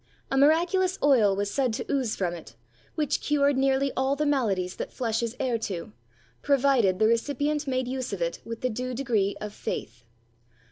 A miraculous oil was said to ooze from it, which cured nearly all the maladies that flesh is heir to, provided the recipient made use of it with the due degree of faith.